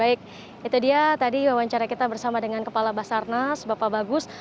baik itu dia tadi wawancara kita bersama dengan kepala basarnas bapak bagus